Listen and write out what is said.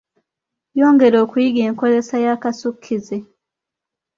Yongera okuyiga enkozesa y’Akasukkize.